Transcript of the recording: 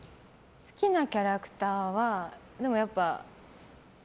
好きなキャラクターはやっぱり。